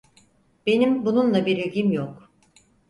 Benim bununla bir ilgim yok.